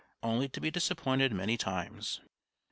only to be disappointed many times.